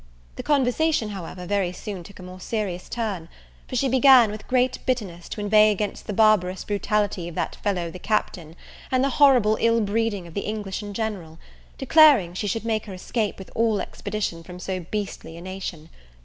The conversation, however, very soon took a more serious turn; for she began, with great bitterness, to inveigh against the barbarous brutality of that fellow the Captain, and the horrible ill breeding of the English in general, declaring, she should make her escape with all expedition from so beastly a nation.